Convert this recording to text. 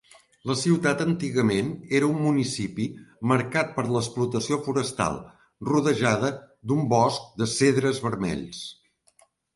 La ciutat antigament era un municipi marcat per l'explotació forestal, rodejada d'un bosc de cedres vermells.